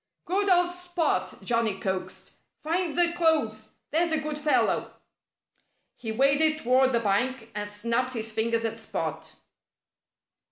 "Good old Spot!" Johnnie coaxed. "Find the clothes! There's a good fellow!" He waded toward the bank and snapped his fingers at Spot.